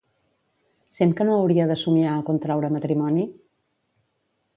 Sent que no hauria de somiar a contraure matrimoni?